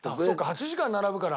８時間並ぶから。